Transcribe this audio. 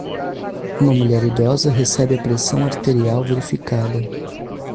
Uma mulher idosa recebe a pressão arterial verificada.